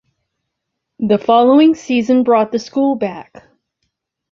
The following season brought the school back.